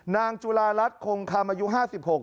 จุฬารัฐคงคำอายุห้าสิบหก